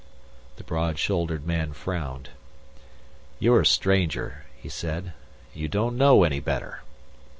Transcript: The broad shouldered man frowned. "You're a stranger," he said, "You don't know any better."